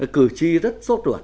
cử tri rất sốt ruột